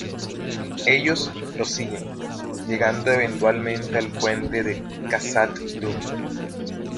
Ellos lo siguen, llegando eventualmente al Puente de Khazad-dûm.